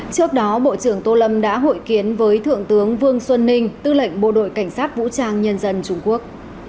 trước đó bộ trưởng tô lâm đã hội kiến với thượng tướng vương xuân ninh tư lệnh bộ đội cảnh sát vũ trang nhân dân trung quốc